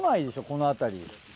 この辺り。